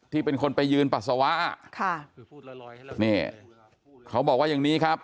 เป็นคนไปยืนปัสสาวะค่ะนี่เขาบอกว่าอย่างนี้ครับ